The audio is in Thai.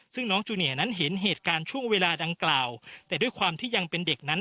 ซึ่งน้องจูเนียนั้นเห็นเหตุการณ์ช่วงเวลาดังกล่าวแต่ด้วยความที่ยังเป็นเด็กนั้น